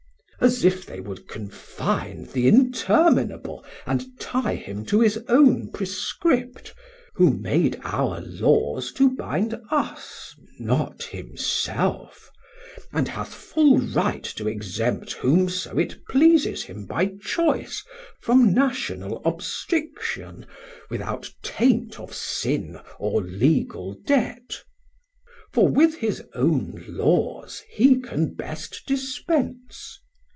As if they would confine th' interminable, And tie him to his own prescript, Who made our Laws to bind us, not himself, And hath full right to exempt 310 Whom so it pleases him by choice From National obstriction, without taint Of sin, or legal debt; For with his own Laws he can best dispence.